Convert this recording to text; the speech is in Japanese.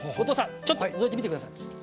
ちょっとのぞいてみて下さい。